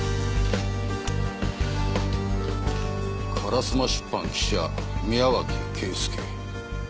「烏丸出版記者宮脇圭介」